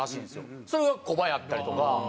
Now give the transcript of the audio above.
それがコバやったりとか。